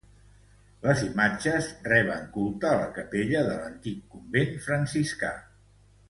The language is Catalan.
Les imatges reben culte a la capella de l'antic convent franciscà.